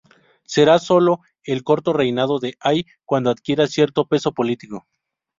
Sería sólo en el corto reinado de Ay cuando adquiriera cierto peso político.